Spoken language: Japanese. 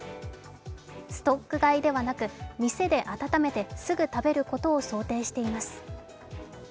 ストック買いではなく、店で温めてすぐ食べることを想定しています。